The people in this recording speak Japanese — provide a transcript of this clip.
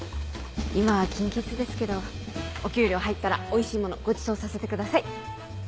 今は金欠ですけどお給料入ったらおいしいものごちそうさせてください。